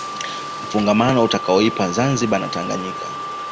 mfungamano utakayoipa Zanzibar na Tanganyika